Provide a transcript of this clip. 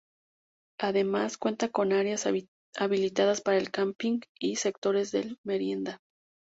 Además, cuenta con áreas habilitadas para el camping y sectores de merienda.